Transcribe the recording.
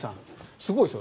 すごいですよ。